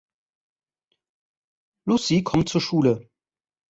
Luzie kommt zur Schule